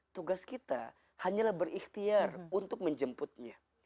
tugas kita hanyalah berikhtiar untuk menjemputnya